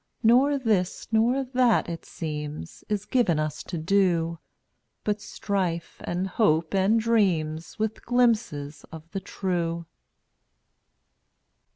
Nor this nor that, it seems, Is given us to do, But strife, and hope, and dreams With glimpses of the true. (£e?